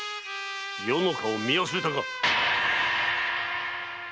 余の顔を見忘れたか？